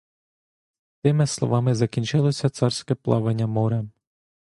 З тими словами закінчилося царське плавання морем.